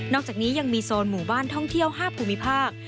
อกจากนี้ยังมีโซนหมู่บ้านท่องเที่ยว๕ภูมิภาค